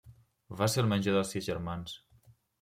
Va ser el major de sis germans.